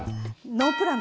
ノープラン。